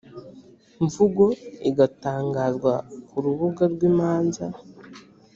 mvugo igatangazwa ku rubuga rw imanza